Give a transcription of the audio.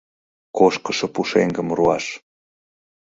Кошкышо пушеҥгым руаш.